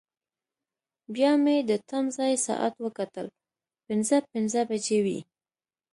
بیا مې د تمځای ساعت وکتل، پنځه پنځه بجې وې.